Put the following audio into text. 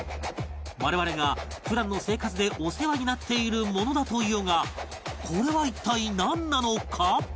我々が普段の生活でお世話になっているものだというがこれは一体なんなのか？